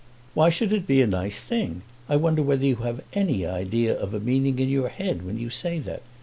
"Why should it be a nice thing? I wonder whether you have any idea of a meaning in your head when you say that.